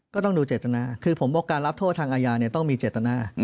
ต้องดูเจตนาคือผมบอกการรับโทษทางอาญาต้องมีเจตนา